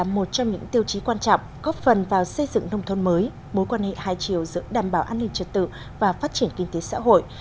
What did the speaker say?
một trong những tiêu chí quan trọng góp phần vào xây dựng nông thôn mới mối quan hệ hai chiều giữa đảm bảo an ninh trật tự và phát triển kinh tế xã hội